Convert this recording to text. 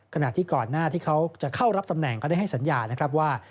ขณะที่ก่อนหน้าที่เขาจะเข้ารับตำแหน่งก็ได้ให้สัญญานะครับว่า